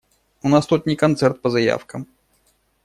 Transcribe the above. У нас тут не концерт по заявкам.